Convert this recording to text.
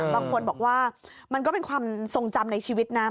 บางคนบอกว่ามันก็เป็นความทรงจำในชีวิตนะ